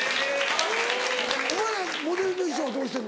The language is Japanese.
お前らモデルの衣装はどうしてるの？